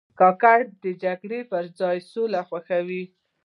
کاکړ د جګړې پر ځای سوله خوښوي.